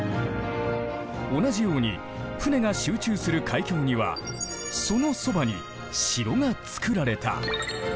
同じように船が集中する海峡にはそのそばに城が造られた。